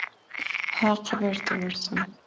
هغه قبرو ته ورځم